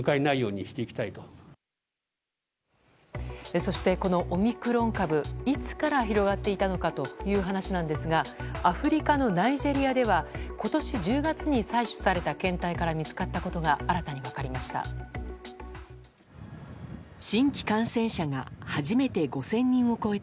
そして、このオミクロン株いつから広がっていたのかという話なんですがアフリカのナイジェリアでは今年１０月に採取された検体から見つかったことが新たに分かりました。